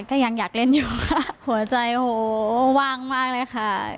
ก็ยังอยากเล่นอยู่ค่ะหัวใจโอ้โหว่างมากเลยค่ะ